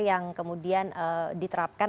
yang kemudian diterapkan